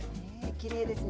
きれいですね。